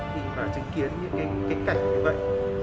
khi chứng kiến những cảnh như vậy